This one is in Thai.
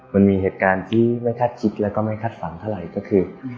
มันมีเหตุการณ์ที่ไม่คาดคิดแล้วก็ไม่คาดฝันเท่าไหร่ก็คือ